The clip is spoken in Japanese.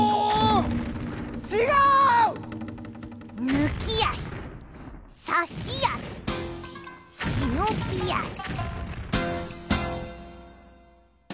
ぬきあしさしあししのびあし。